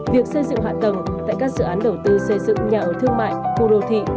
việc xây dựng hạ tầng tại các dự án đầu tư xây dựng nhà ở thương mại khu đô thị